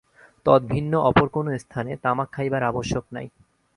তদ্ভিন্ন অপর কোন স্থানে তামাক খাইবার আবশ্যক নাই।